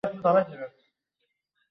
তার কথা বুঝিতে পারিলাম না।